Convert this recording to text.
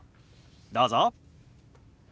どうぞ。